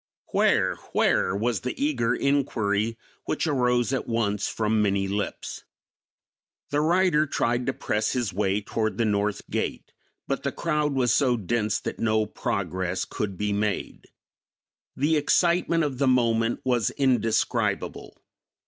"Where, where?" was the eager inquiry which arose at once from many lips. The writer tried to press his way towards the north gate, but the crowd was so dense that no progress could be made. The excitement of the moment was indescribable.